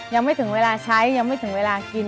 ยังไม่ถึงเวลาใช้ยังไม่ถึงเวลากิน